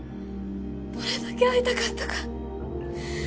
どれだけ会いたかったか。